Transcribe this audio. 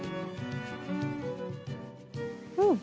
うん。